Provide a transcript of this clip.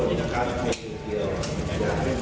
มีความร่านรักของฉันนะครับ